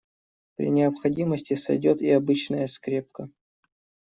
При необходимости сойдёт и обычная скрепка.